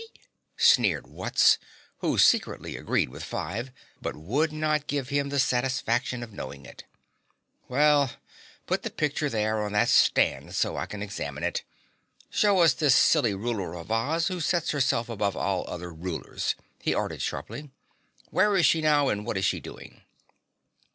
sneered Wutz, who secretly agreed with Five, but would not give him the satisfaction of knowing it. "Well, put the picture there on that stand so I can examine it. Show us this silly ruler of Oz who sets herself above all other rulers," he ordered sharply. "Where is she now and what is she doing?"